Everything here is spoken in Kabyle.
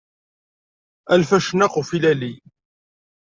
A lfacnaq n ufilali.